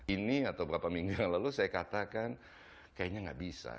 ini atau beberapa minggu yang lalu saya katakan kayaknya nggak bisa